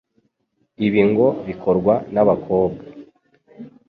Ibi ngo bikorwa n'abakobwa ,